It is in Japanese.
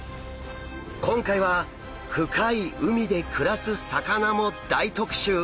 今回は深い海で暮らす魚も大特集！